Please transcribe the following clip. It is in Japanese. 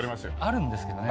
あるんですけどね。